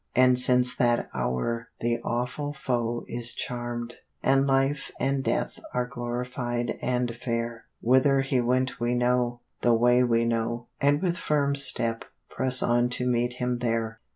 And since that hour the awful foe is charmed, And life and death are glorified and fair. Whither he went we know the way we know And with firm step press on to meet him there.